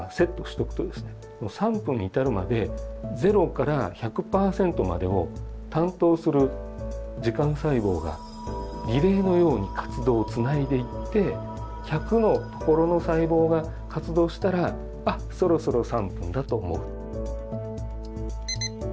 ３分に至るまでゼロから１００％までを担当する時間細胞がリレーのように活動をつないでいって１００のところの細胞が活動したら「あっそろそろ３分だ」と思う。